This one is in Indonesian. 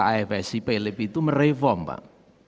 afsi plb itu mereform pak